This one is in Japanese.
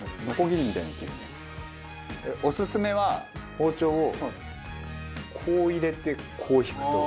オススメは包丁をこう入れてこう引くと。